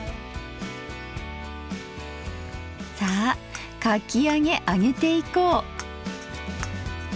さあかき揚げ揚げていこう。